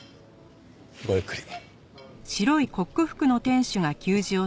ごゆっくり。